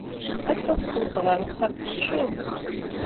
Ass-a, tewweḍ-d ɣer uxxam tefcel.